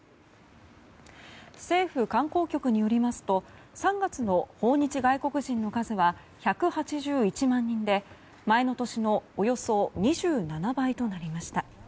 政府観光局によりますと３月の訪日外国人の数は１８１万人で前の年のおよそ２７倍となりました。